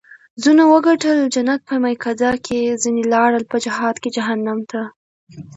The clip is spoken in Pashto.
ځینو وګټل جنت په میکده کې ځیني لاړل په جهاد کې جهنم ته